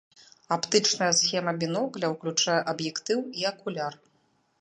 Аптычная схема бінокля ўключае аб'ектыў і акуляр.